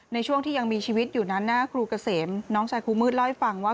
ในช่วงที่ยังมีชีวิตอยู่นั้นนะครูเกษมน้องชายครูมืดเล่าให้ฟังว่า